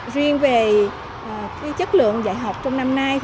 riêng về chất lượng dạy học trong năm nay